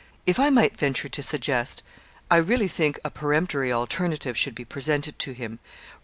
'If I might venture to suggest, I really think a peremptory alternative should be presented to him.